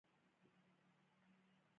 جرګه د حل لاره ده